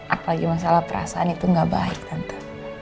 apalagi masalah perasaan itu gak baik tante